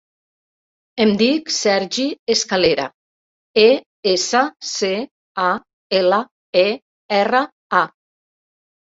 Em dic Sergi Escalera: e, essa, ce, a, ela, e, erra, a.